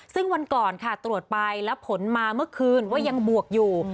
ซึ่งวันก่อนค่ะตรวจไปแล้วผลมาเมื่อคืนว่ายังบวกอยู่